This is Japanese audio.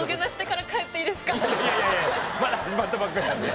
いやいやいやいやまだ始まったばっかりなんでね。